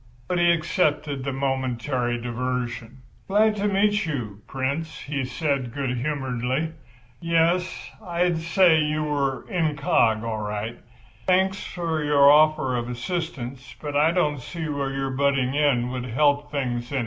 But he accepted the momentary diversion. "Glad to meet you, Prince," he said, good humouredly. "Yes, I'd say you were incog. all right. Thanks for your offer of assistance—but I don't see where your butting in would help things any.